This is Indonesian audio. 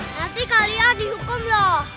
nanti kalian dihukum lah